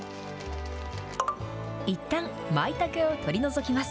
いったん、まいたけを取り除きます。